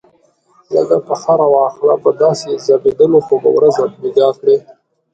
لږ پښه را واخله، په داسې ځبېدلو خو به ورځ بېګا کړې.